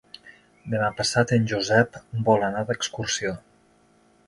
Demà passat en Josep vol anar d'excursió.